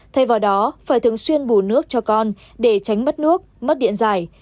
thay vào đó phải thường xuyên bù nước cho con để tránh mất nước mất điện giải